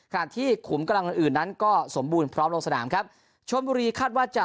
ที่ขุมกำลังอื่นอื่นนั้นก็สมบูรณ์พร้อมลงสนามครับชนบุรีคาดว่าจะ